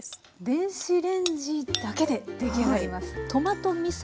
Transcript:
電子レンジだけで出来上がります。